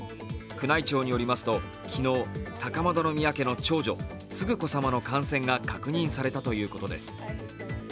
宮内庁によりますと昨日、高円宮家の長女、承子さまの感染が確認されたということです。